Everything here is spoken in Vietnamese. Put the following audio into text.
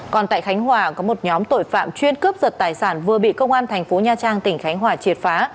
còn tại khánh hòa có một nhóm tội phạm chuyên cướp giật tài sản vừa bị công an thành phố nha trang tỉnh khánh hòa triệt phá